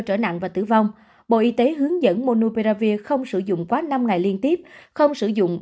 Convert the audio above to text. trở nặng và tử vong bộ y tế hướng dẫn monuperavir không sử dụng quá năm ngày liên tiếp không sử dụng